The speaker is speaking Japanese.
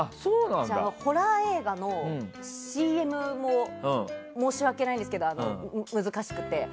私、ホラー映画のＣＭも申し訳ないんですけど難しくて。